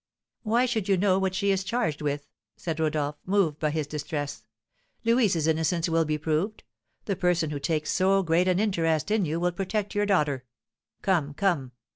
"Why should you know what she is charged with?" said Rodolph, moved by his distress. "Louise's innocence will be proved; the person who takes so great an interest in you will protect your daughter. Come, come!